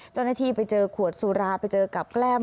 เจ้าหน้าที่ไปเจอขวดสุราไปเจอกับแกล้ม